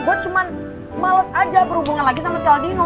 gue cuma males aja berhubungan lagi sama si albino